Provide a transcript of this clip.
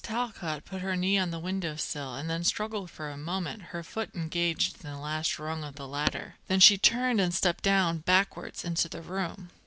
Talcott put her knee on the window sill and then struggled for a moment, her foot engaged in the last rung of the ladder; then she turned and stepped down backwards into the room.